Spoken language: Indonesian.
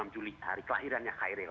dua puluh enam juli hari kelahirannya khairil